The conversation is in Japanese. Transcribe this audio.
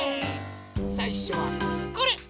さいしょはこれ！